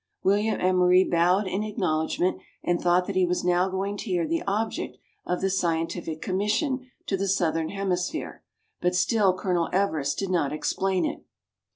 William Emery bowed in acknowledgment, and thought that he was now going to hear the object of the scientific commission to the southern hemisphere ; but still Colonel Everest did not explain it.